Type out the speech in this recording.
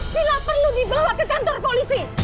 bila perlu dibawa ke kantor polisi